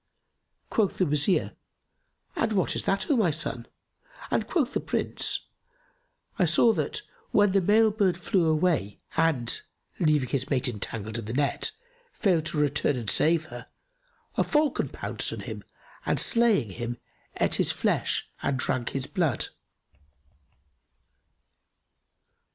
Quoth the Wazir, "And what is that, O my son?"; and quoth the Prince, "I saw that, when the male bird flew away; and, leaving his mate entangled in the net, failed to return and save her, a falcon pounced on him and slaying him, ate his flesh and drank his blood.